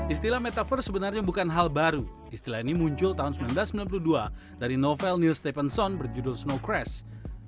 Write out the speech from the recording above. istilah metaver sebenarnya bukan hal baru istilah ini muncul tahun seribu sembilan ratus sembilan puluh dua dari novel nir stephenson berjudul snow crash